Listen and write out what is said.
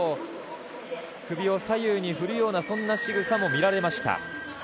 首を左右に振るようなそんなしぐさも見られました。